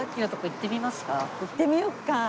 行ってみようか！